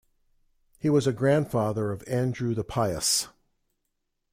He was a grandfather of Andrew the Pious.